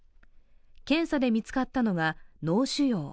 検査で見つかったのが脳腫瘍。